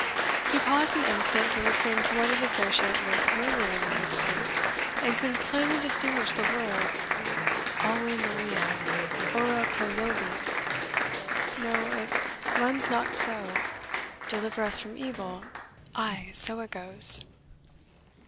He paused an instant to listen to what his associate was murmuring in his sleep, and could plainly distinguish the words, "AVE MARIA ORA PRO NOBIS. No, it runs not so deliver us from evil ay, so it goes."